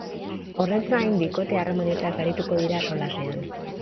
Horrez gain, bikote harremanetaz arituko dira solasean.